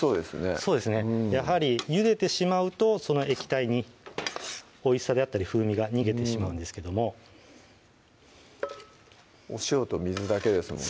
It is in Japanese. そうですねやはりゆでてしまうとその液体においしさであったり風味が逃げてしまうんですけどもお塩と水だけですもんね